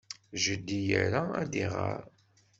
Jeddi ira ad iɣer.